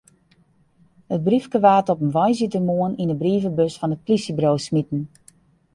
It briefke waard op in woansdeitemoarn yn de brievebus fan it polysjeburo smiten.